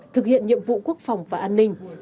thực hiện nhiệm vụ quốc phòng và an ninh